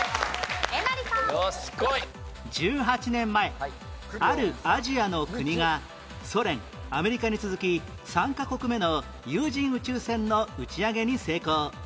１８年前あるアジアの国がソ連アメリカに続き３カ国目の有人宇宙船の打ち上げに成功